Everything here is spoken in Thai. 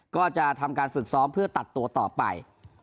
ก็จะทำการฝึกซ้อมเพื่อตัดตัวต่อไป